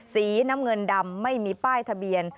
สีน้ำเงินดำไม่มีป้ายทะเบียน